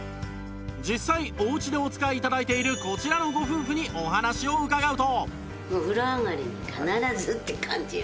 実際お家でお使い頂いているこちらのご夫婦にお話を伺うと